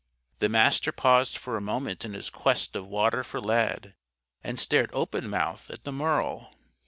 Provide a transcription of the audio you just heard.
The Master paused for a moment in his quest of water for Lad, and stared open mouthed at the Merle.